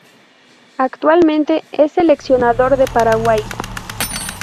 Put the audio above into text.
Actualmente es seleccionador de Paraguay.